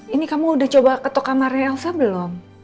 ini kamu udah coba ketok kamarnya elsa belum